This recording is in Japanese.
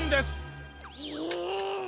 へえ。